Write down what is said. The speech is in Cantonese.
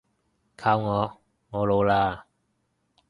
靠我，我老喇